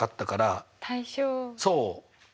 そう。